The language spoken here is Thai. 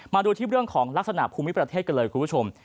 มาดูที่เรื่องของลักษณะภูมิประเทศกันเลยคุณผู้ชม